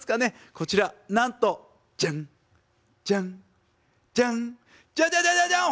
こちらなんとじゃんじゃんじゃんじゃじゃじゃじゃじゃん。